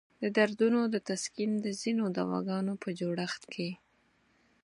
د دردونو د تسکین د ځینو دواګانو په جوړښت کې.